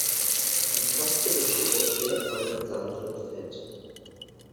Die Paste besteht aus sehr feinem Sand und Fett.